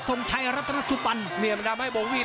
สมไชรัฐนสุปันเนี่ยมันทำให้โบวี่